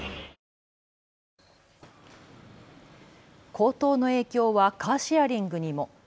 高騰の影響はカーシェアリングにも。